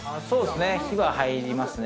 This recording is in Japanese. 日は入りますね